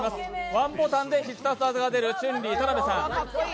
ワンボタンで必殺技が出る春麗、田辺さん。